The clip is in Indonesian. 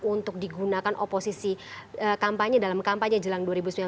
untuk digunakan oposisi kampanye dalam kampanye jelang dua ribu sembilan belas